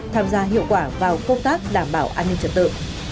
tham gia hiệu quả vào công tác đảm bảo an ninh trật tự